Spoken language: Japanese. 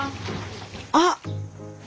あっ。